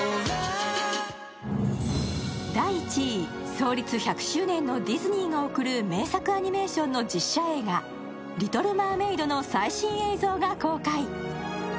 創立１００周年のディズニーが贈る名作アニメーションの実写映画「リトル・マーメイド」の最新映像が公開。